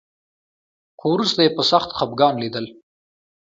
خو وروسته یې په سخت خپګان لیدل